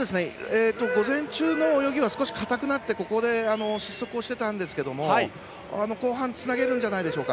午前中の泳ぎは少し硬くなってここで失速をしていたんですが後半つなげるんじゃないでしょうか。